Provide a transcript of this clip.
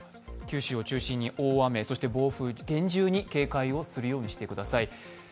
九州を中心に大雨、そして暴風域、厳重に警戒するようにしてください。